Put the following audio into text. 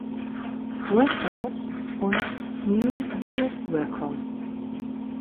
Records und New Deal Records.